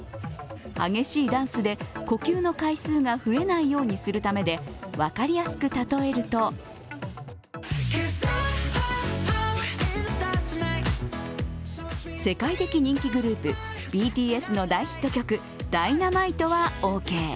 激しいダンスで呼吸の回数が増えないようにするためで、分かりやすく例えると世界的人気グループＢＴＳの大ヒット曲「Ｄｙｎａｍｉｔｅ」はオーケー。